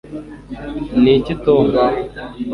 niki, tom